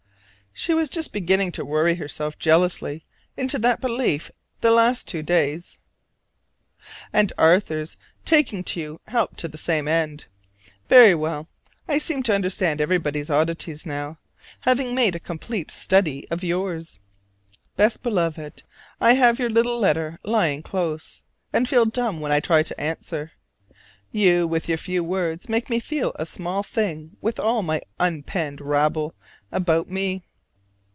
She was just beginning to worry herself jealously into that belief the last two days: and Arthur's taking to you helped to the same end. Very well; I seem to understand everybody's oddities now, having made a complete study of yours. Best Beloved, I have your little letter lying close, and feel dumb when I try to answer. You with your few words make me feel a small thing with all my unpenned rabble about me.